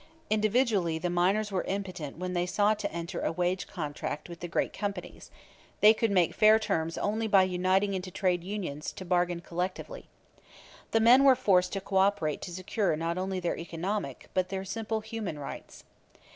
Individually the miners were impotent when they sought to enter a wage contract with the great companies; they could make fair terms only by uniting into trade unions to bargain collectively. The men were forced to cooperate to secure not only their economic, but their simple human rights.